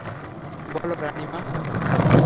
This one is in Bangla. বললে, রানীমা।